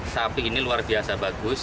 sapi ini luar biasa bagus